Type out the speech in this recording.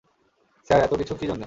Sir, এত কিছু কী জন্যে?